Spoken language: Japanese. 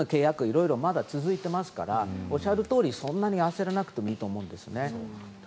色々続いていますからおっしゃるとおりそんなに焦らなくていいと思うんですね。